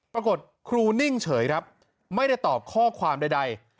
ปรากฏครูนิ่งเฉยครับไม่ได้ตอบข้อความใด